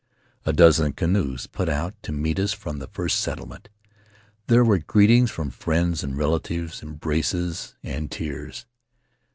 A dozen canoes put out to meet us from the first settlement; there were greetings from friends and relatives — embraces and tears.